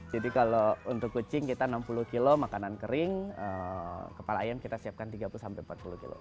jadi kalau untuk kucing kita enam puluh kilo makanan kering kepala ayam kita siapkan tiga puluh empat puluh kilo